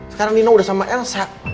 sekarang nino udah sama elsa